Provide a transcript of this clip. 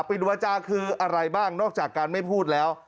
วาจาคืออะไรบ้างนอกจากการไม่พูดแล้ว